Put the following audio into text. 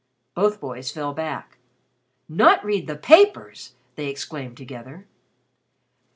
Both boys fell back. "Not read the papers!" they exclaimed together.